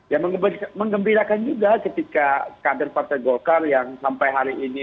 ya mengembirakan juga ketika kader partai golkar yang sampai hari ini